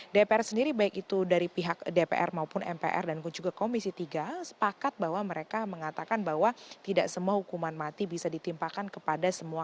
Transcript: dpr sendiri baik itu dari pihak dpr maupun mpr dan juga komisi tiga sepakat bahwa mereka mengatakan bahwa tidak semua hukuman mati bisa ditimpakan kepada semua